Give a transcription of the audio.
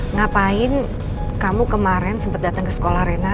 ngapain kamu kemarin sempet dateng ke sekolah rena